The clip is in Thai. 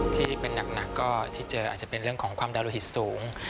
ที่เป็นหนักก็ที่เจออาจจะเป็นเรื่องของความดาโลหิตสูง